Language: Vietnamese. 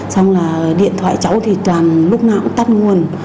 xong là điện thoại cháu thì toàn lúc não cũng tắt nguồn